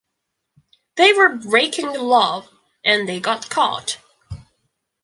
They were breaking the law, and they got caught.